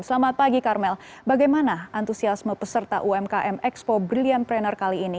selamat pagi karmel bagaimana antusiasme peserta umkm expo brilliant pranner kali ini